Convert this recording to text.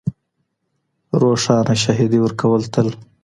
روښانه شاهدي ورکوي تل